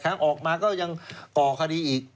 ออกมาก็ยังก่อคดีอีก